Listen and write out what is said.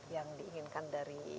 yang diinginkan dari